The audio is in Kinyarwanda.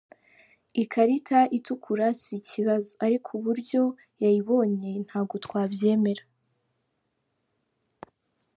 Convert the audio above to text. Ikarita itukura si ikibazo ariko uburyo yayibonye ntabwo twabyemera.